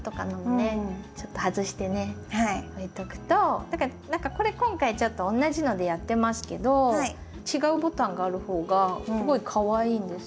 置いとくとこれ今回ちょっと同じのでやってますけど違うボタンがある方がすごいかわいいんです。